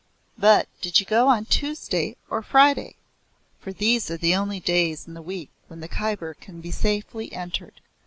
But did you go on Tuesday or Friday?" For these are the only days in the week when the Khyber can be safely entered.